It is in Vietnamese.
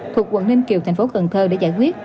thuộc quận ninh kiều thành phố cần thơ để giải quyết